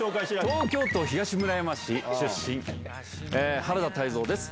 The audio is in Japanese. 東京都東村山市出身原田泰造です。